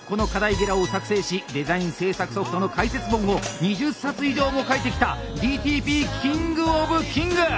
ゲラを作成しデザイン制作ソフトの解説本を２０冊以上も書いてきたＤＴＰキングオブキング！